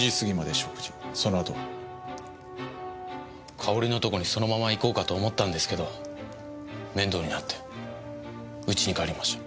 かおりのとこにそのまま行こうかと思ったんですけど面倒になってうちに帰りました。